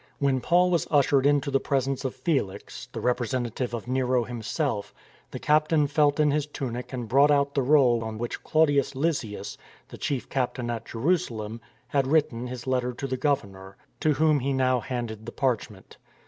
When Paul was ushered into the presence of Felix, the representa tive of Nero himself, the captain felt in his tunic and brought out the roll on which Claudius Lysias, the chief captain at Jerusalem, had written his letter to the governor, to whom he now handed the parch ment.